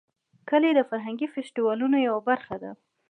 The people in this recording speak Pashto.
کلي د فرهنګي فستیوالونو یوه برخه ده.